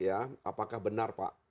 apakah benar pak